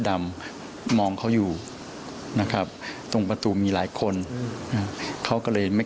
ดำมองเขาอยู่นะครับตรงประตูมีหลายคนเขาก็เลยไม่